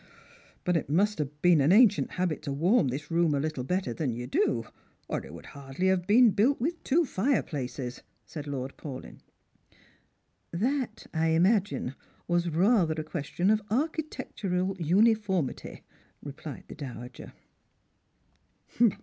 " But it must have been an ancient habit to warm this room a little better than you do, or it would hardly have been built with two fireplaces," said Lord Paulyn. "That, I imagine, Avas rather a question of architectural uniformity," replied the dowager.